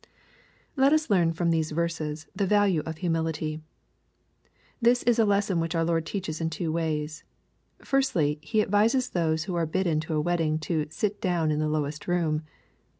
Let us learn from these verses the value of humility. This is a lesson which our Lord teaches in two ways. Firstly, He advises those who are bidden to a wedding to " sit down in the lowest room.'